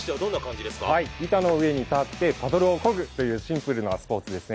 板の上に立ってパドルをこぐというシンプルなスポーツです。